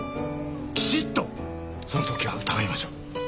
きちっとその時は疑いましょう。